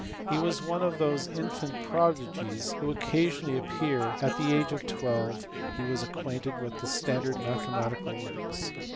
He was one of those infant prodigies who occasionally appear, and at the age of twelve he was acquainted with the standard mathematical works.